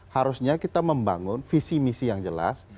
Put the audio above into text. harusnya kita membangun visi misi yang jelas